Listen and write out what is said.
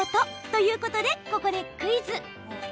ということで、ここでクイズ！